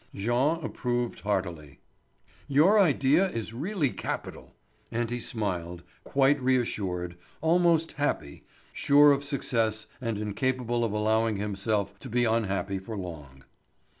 Jean approved heartily. "Your idea is really capital." And he smiled, quite reassured, almost happy, sure of success and incapable of allowing himself to be unhappy for long.